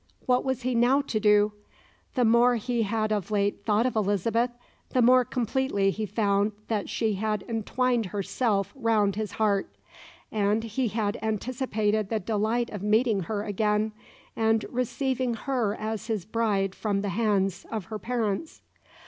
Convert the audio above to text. What was he now to do? The more he had of late thought of Elizabeth, the more completely he found that she had entwined herself round his heart, and he had anticipated the delight of meeting her again and receiving her as his bride from the hands of her parents.